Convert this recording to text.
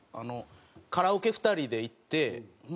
カラオケ２人で行ってホンマ